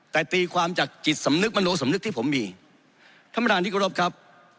แต่ตีความจากจิตสำนึกมโนสำนึกที่ผมมีท่านประธานที่กรบครับ